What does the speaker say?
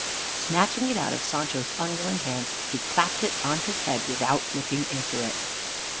Snatching it out of Sancho's unwilling hands, he clapped it on his head without looking into it.